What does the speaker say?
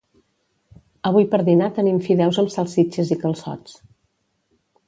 Avui per dinar tenim fideus amb salsitxes i calçots